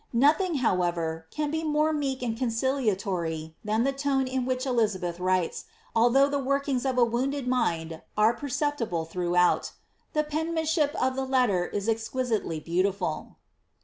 Nothing, however, can be more meek and conciliatory than the tone in which Elizabeth writes, although tht workings of a wounded mind are perceptible throughout The pen manship of the letter is exquisitely beautiful.